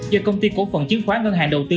do công ty cổ phần chiếm khoá ngân hàng đầu tư